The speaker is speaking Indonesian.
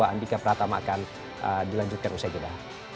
andika pratama akan dilanjutkan usai jeda